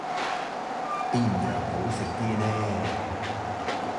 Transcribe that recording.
邊樣好食啲呢？